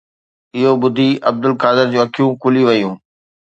اهو ٻڌي عبدالقادر جون اکيون کلي ويون